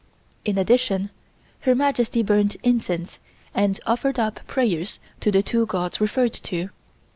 In addition, Her Majesty burned incense and offered up prayers to the two gods referred to.